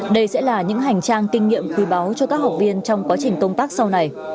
đây sẽ là những hành trang kinh nghiệm quý báu cho các học viên trong quá trình công tác sau này